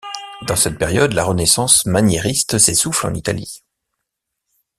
Dans cette période, la Renaissance maniériste s'essouffle en Italie.